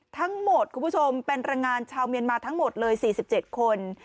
ทั้งหมดคุณผู้ชมแปรงงานชาวเมียนมาทั้งหมดเลย๔๗คน